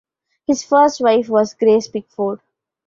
His first wife was Grace Pickford.